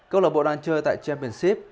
câu lợi bộ đoàn chơi tại championship